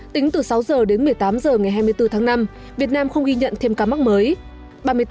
tính từ sáu h đến một mươi tám h ngày hai mươi bốn tháng năm việt nam không ghi nhận thêm ca mắc mới